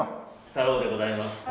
太郎でございます。